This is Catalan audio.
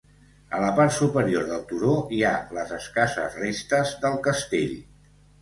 A la part superior del turó hi ha les escasses restes del castell.